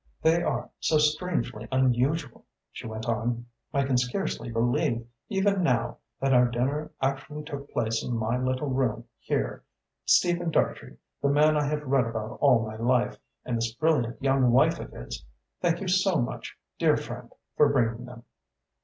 They are so strangely unusual," she went on. "I can scarcely believe, even now, that our dinner actually took place in my little room here Stephen Dartrey, the man I have read about all my life, and this brilliant young wife of his. Thank you so much, dear friend, for bringing them."